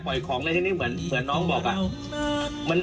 ปล่อยของแล้วที่นี่เหมือนเผื่อน้องบอกแบบ